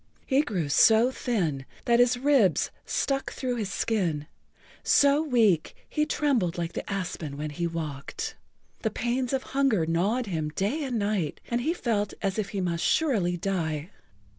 He grew so thin that his ribs stuck through the skin, so weak he trembled like the aspen when he walked. The pains of hunger gnawed him day and night and he felt as if he must surely die.